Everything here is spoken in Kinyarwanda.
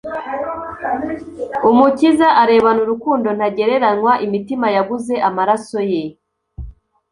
Umukiza arebana urukundo ntagereranywa imitima yaguze amaraso ye.